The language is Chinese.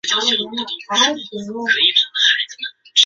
汉肯斯比特尔是德国下萨克森州的一个市镇。